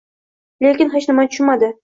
lekin hech nimani tushunmadi: